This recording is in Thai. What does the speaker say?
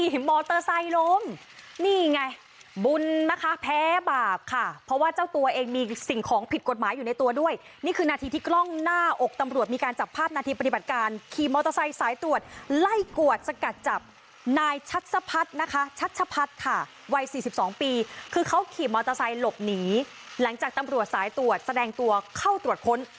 หลังจากตำรวจสายตรวจแสดงตัวเข้าตรวจค้น